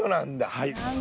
はい。